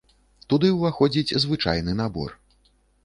Туды ўваходзіць звычайны набор.